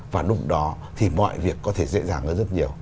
và lúc đó thì mọi việc có thể dễ dàng hơn rất nhiều